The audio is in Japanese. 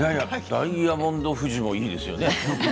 ダイヤモンド富士もいいですね。